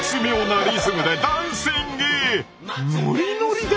ノリノリですね！